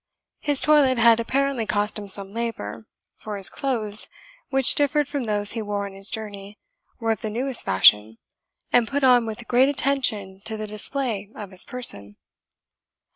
His toilet had apparently cost him some labour, for his clothes, which differed from those he wore on his journey, were of the newest fashion, and put on with great attention to the display of his person.